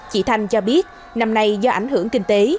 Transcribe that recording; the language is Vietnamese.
chị thanh cho biết năm nay do ảnh hưởng kinh tế